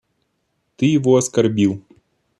Ты его оскорбил.